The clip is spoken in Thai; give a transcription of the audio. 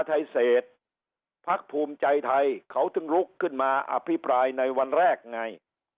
ไทยเศษภักดิ์ภูมิใจไทยเขาถึงลุกขึ้นมาอภิปรายในวันแรกไง